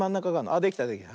あっできたできた。